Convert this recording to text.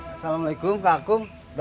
assalamualaikum kak akung